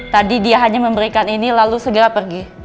tadi dia hanya memberikan ini lalu segera pergi